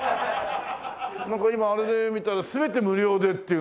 なんか今あれで見たら全て無料でっていうんでね。